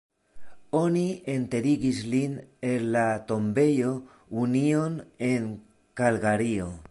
Oni enterigis lin en la Tombejo Union en Kalgario.